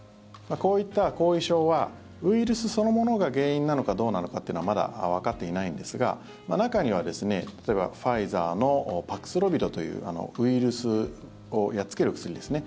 こういった後遺症はウイルスそのものが原因なのかどうなのかというのはまだわかっていないんですが中にはファイザーのパクスロビドというウイルスをやっつける薬ですね